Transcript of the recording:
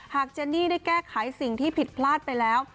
เจนนี่ได้แก้ไขสิ่งที่ผิดพลาดไปแล้ว